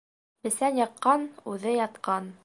Бесән яҡҡан, үҙе ятҡан.